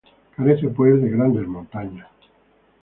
Carece, pues, de grandes montañas.